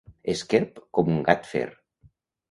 Esquerp com un gat fer.